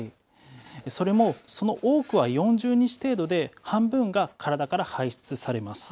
それも、その多くは４０日程度で半分が体から排出されます。